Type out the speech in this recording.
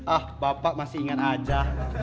ah bapak masih ingat aja